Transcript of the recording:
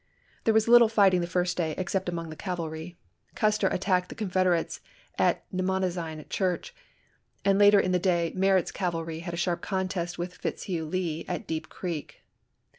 There was little fighting the first day except among the cavalry. Custer attacked the Confed erates at Namozine Church, and later in the day Merritt's cavalry had a sharp contest with Fitz hugh Lee at Deep Creek.